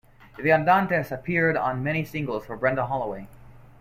The Andantes appeared on many singles for Brenda Holloway.